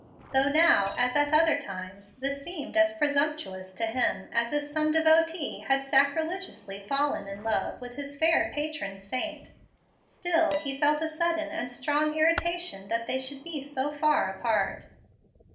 Though now, as at other times, this seemed as presumptuous to him as if some devotee had sacrilegiously fallen in love with his fair patron saint, still he felt a sudden and strong irritation that they should be so far apart.